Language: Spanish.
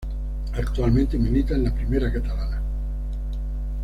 Actualmente milita en la Primera Catalana.